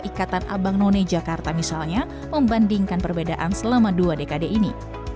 ikatan abang none jakarta misalnya membandingkan perbedaan selama dua dekade ini